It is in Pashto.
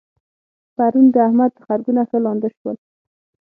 پرون د احمد تخرګونه ښه لانده شول.